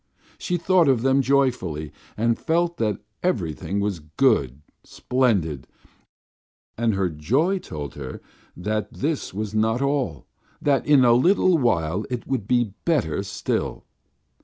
She thought of them joyfully, and felt that everything was good, splendid, and her joy told her that this was not all, that in a little while it would be better still.